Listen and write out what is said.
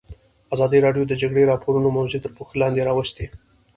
ازادي راډیو د د جګړې راپورونه موضوع تر پوښښ لاندې راوستې.